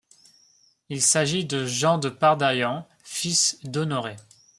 Il s'agit de Jean de Pardaillan, fils d'Honoré.